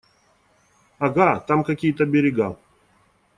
Ага, там какие-то берега.